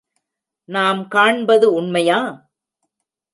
நாம் காண்பது உண்மையா?